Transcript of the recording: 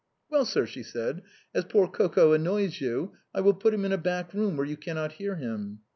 " Well, sir," she said, " as poor Coco annoys you, I will put him in a back room, where you cannot hear him."